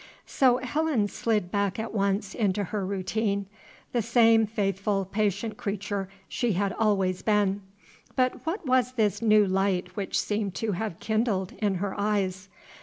So Helen slid back at once into her routine, the same faithful, patient creature she had always been. But what was this new light which seemed to have kindled in her eyes?